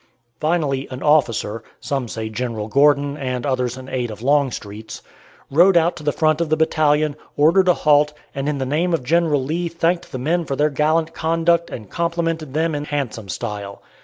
Finally an officer some say General Gordon, and others an aide of Longstreet's rode out to the front of the battalion, ordered a halt, and in the name of General Lee thanked the men for their gallant conduct and complimented them in handsome style.